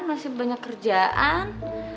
masih banyak kerjaan